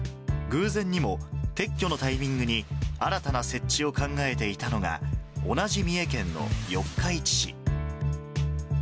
偶然にも、撤去のタイミングに、新たな設置を考えていたのが、同じ三重県の四日市市。